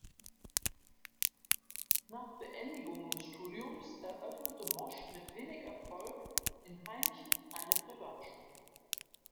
Nach Beendigung des Studiums eröffnete Mosch mit wenig Erfolg in Hainichen eine Privatschule.